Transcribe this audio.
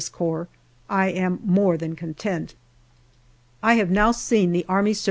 C., I am more than content. I have now seen the A.S.C.